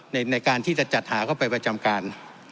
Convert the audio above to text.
ในการที่จะจัดหาเข้าไปประจำการ